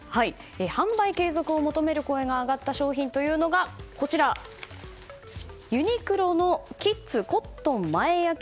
販売継続を求める声が上がった商品がユニクロのＫＩＤＳコットン前あき